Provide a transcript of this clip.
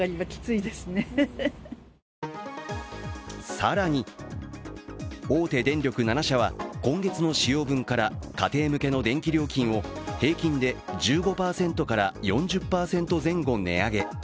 更に大手電力７社は今月の使用分から家庭向けの電気料金を平均で１５％から４０％前後値上げ。